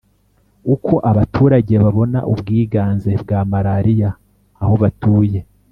Uko abaturage babona ubwiganze bwa malariya aho batuye